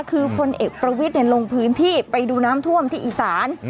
คือพลเอกประวิทย์ลงพื้นที่ไปดูน้ำท่วมที่อีสาน